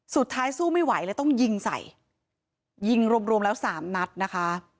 สุดท้ายสู้ไม่ไหวเลยต้องยิงใส่ยิงรวมแล้ว๓นัดนะคะ